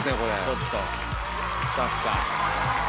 ちょっとスタッフさん。